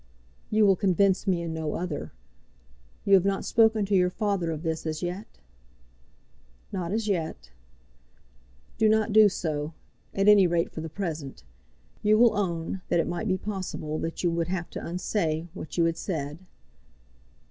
"You will convince me in no other. You have not spoken to your father of this as yet?" "Not as yet." "Do not do so, at any rate for the present. You will own that it might be possible that you would have to unsay what you had said."